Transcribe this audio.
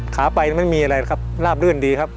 ขาไปไม่มีอะไรครับราบรื่นดีครับ